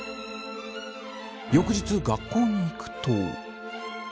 翌日学校に行くと。